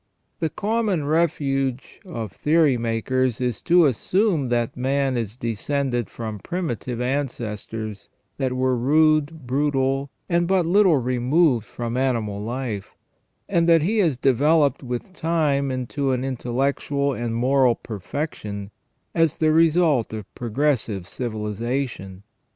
The common refuge of theory makers is to assume that man is descended from primitive ancestors that were rude, brutal, and but little removed from animal life, and that he has developed with time into an intellectual and moral perfection as the result of progressive civilization.